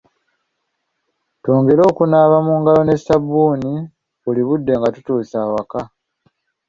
Twongere okunaaba mu ngalo ne sabbuuni buli budde nga tutuuse awaka.